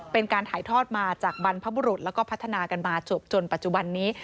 เป็นการถ่ายทอดมาจากบรรพบุรุษแล้วก็พัฒนากันมาจบจนปัจจุบันนี้